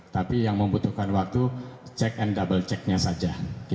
tapi yang membutuhkan waktu cek and double check nya saja